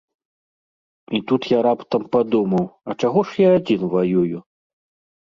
І тут я раптам падумаў, а чаго ж я адзін ваюю?